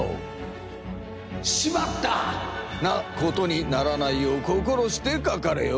「しまった！」なことにならないよう心してかかれよ。